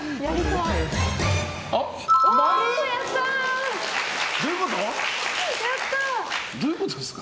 あ、○！どういうことですか？